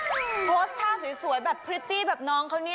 โพสต์ท่าสวยแบบพริตตี้แบบน้องเขาเนี่ย